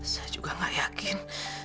saya juga gak yakin